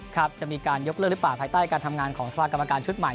ครับจะมีการยกเลิกหรือเปล่าภายใต้การทำงานของสภากรรมการชุดใหม่